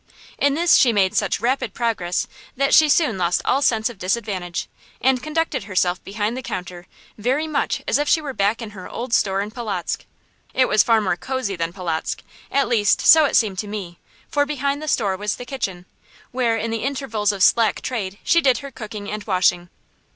In this she made such rapid progress that she soon lost all sense of disadvantage, and conducted herself behind the counter very much as if she were back in her old store in Polotzk. It was far more cosey than Polotzk at least, so it seemed to me; for behind the store was the kitchen, where, in the intervals of slack trade, she did her cooking and washing.